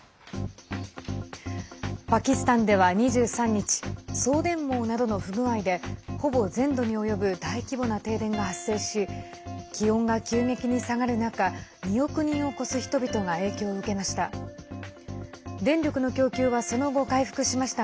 パキスタンでは、２３日送電網などの不具合でほぼ全土に及ぶ大規模な停電が発生し気温が急激に下がる中２億人を超す人々が影響を受けました。